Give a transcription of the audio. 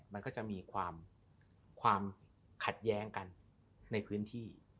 มันก็จะมีความขัดแย้งกันในพื้นที่